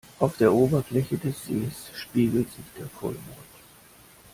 Auf der Oberfläche des Sees spiegelt sich der Vollmond.